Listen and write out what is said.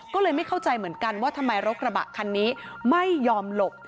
ก็เลยไม่เข้าใจเหมือนกันว่าทำไมรถกระบะคันนี้ไม่ยอมหลบ